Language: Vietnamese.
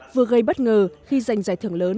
vừa gây bất ngờ khi giành giải thưởng lớn